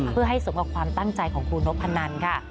เพื่อให้สมกับความตั้งใจของครูนพนันค่ะ